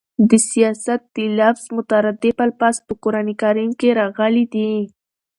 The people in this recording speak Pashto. د سیاست د لفظ مترادف الفاظ په قران کريم کښي راغلي دي.